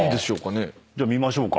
じゃあ見ましょうか。